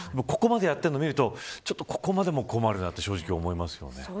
ここまでやっているの見るとここまでも困るなと思いますよね。